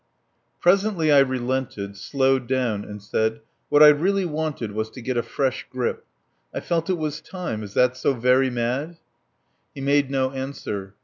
Presently I relented, slowed down, and said: "What I really wanted was to get a fresh grip. I felt it was time. Is that so very mad?" He made no answer.